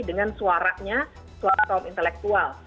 dengan suaranya suara kaum intelektual